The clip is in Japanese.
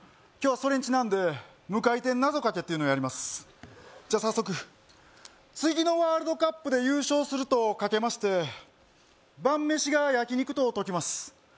今日はそれにちなんで無回転なぞかけやりますじゃ早速次のワールドカップで優勝するとかけまして晩飯が焼き肉と解きます